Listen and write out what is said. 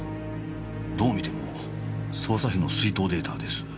どう見ても捜査費の出納データです。